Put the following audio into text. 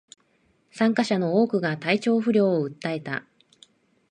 参加者の多くが体調不良を訴えた